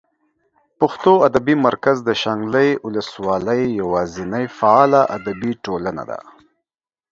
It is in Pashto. پښتو ادبي مرکز د شانګلې اولس والۍ یواځینۍ فعاله ادبي ټولنه ده